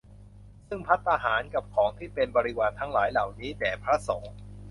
ซึ่งภัตตาหาร กับของที่เป็นบริวารทั้งหลายเหล่านี้ แด่พระสงฆ์